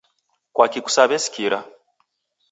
Kwaki kusawesikira